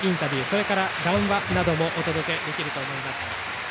それから談話などもお届けできると思います。